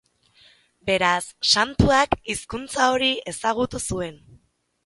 Beraz, santuak hizkuntza hori ezagutu zuen.